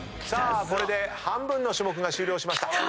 これで半分の種目が終了しました。